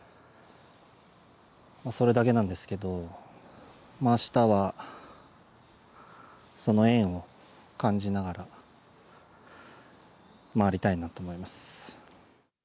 それだけなんですけど、明日はその縁を感じながら、回りたいなと思います